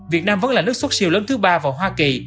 việt nam vẫn là nước xuất siêu lớn thứ ba vào hoa kỳ